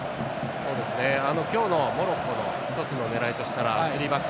今日のモロッコの１つの狙いとしたら３バック。